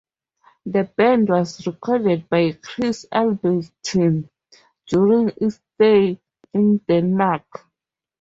The band was recorded by Chris Albertson during its stay in Denmark.